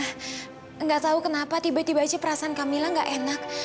tidak tahu kenapa tiba tiba perasaan kamilah tidak enak